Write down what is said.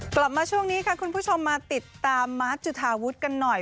กลับมาช่วงนี้ค่ะคุณผู้ชมมาติดตามมาร์ทจุธาวุฒิกันหน่อย